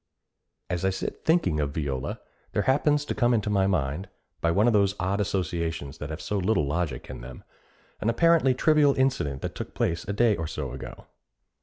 As I sit thinking of Viola, there happens to come into my mind, by one of those odd associations that have so little logic in them, an apparently trivial incident that took place a day or so ago.